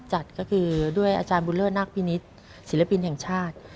จัดก็คือด้วยอาจารย์บุญเลิศนักพินิษฐ์ศิลปินแห่งชาติ